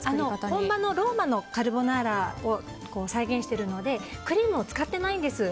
本場のローマのカルボナーラを再現してるのでクリームを使っていないんです。